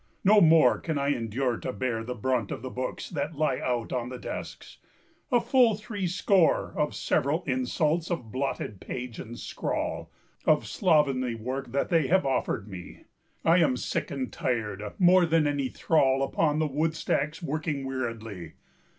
No more can I endure to bear the brunt Of the books that lie out on the desks: a full three score Of several insults of blotted page and scrawl Of slovenly work that they have offered me. I am sick, and tired more than any thrall Upon the woodstacks working weariedly.